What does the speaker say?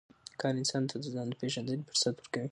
کار انسان ته د ځان د پېژندنې فرصت ورکوي